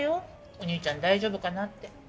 お兄ちゃん大丈夫かなって。